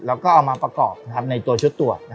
เราก็เอามาประกอบในตัวชุดตัว